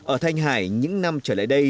ở thanh hải những năm trở lại